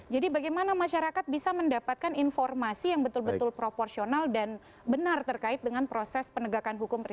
jadi bagaimana masyarakat bisa mendapatkan informasi yang betul betul proporsional dan benar terkait dengan proses penegakan hukum